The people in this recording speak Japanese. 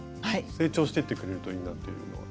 成長していってくれるといいなっていうのは。